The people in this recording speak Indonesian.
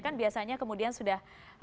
kan biasanya kemudian sudah